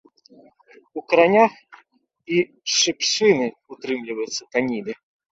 У каранях і шыпшыны ўтрымліваюцца таніды.